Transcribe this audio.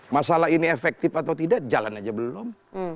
masalah ini efektif atau tidak jalan aja belum